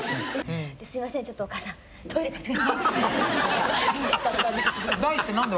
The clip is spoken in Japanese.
すみません、ちょっとお母さん、トイレ貸してくださいって。